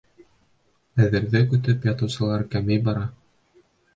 Әҙерҙе көтөп ятыусылар кәмей бара.